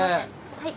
はい。